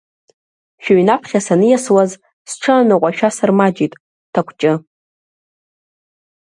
Шәыҩнаԥхьа саниасуаз, сҽы аныҟәашәа сырмаҷит, Ҭакәҷы.